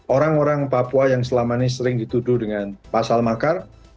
orang orang yang selama ini dituduh dengan pasal makar